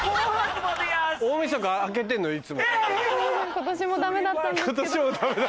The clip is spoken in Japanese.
今年もダメだったんですけど。